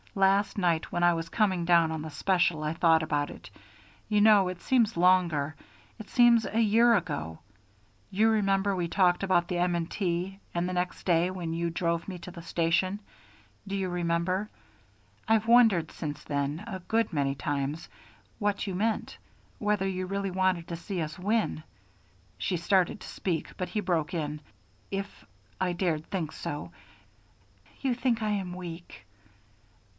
Last night when I was coming down on the special I thought about it you know it seems longer, it seems a year ago. You remember we talked about the M. & T. And the next day when you drove me to the station do you remember? I've wondered since then, a good many times, what you meant, whether you really wanted to see us win." She started to speak, but he broke in: "If I dared think so " "You think I am weak."